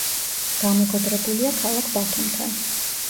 დამეგობრებულია ქალაქ ბათუმთან.